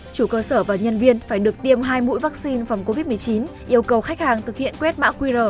chủ cơ sở và nhân viên phải được tiêm hai mũi vaccine phòng covid một mươi chín yêu cầu khách hàng thực hiện quét mã qr